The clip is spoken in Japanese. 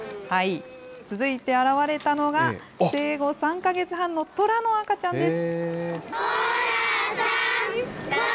続いて現れたのが、生後３か月半の虎の赤ちゃんです。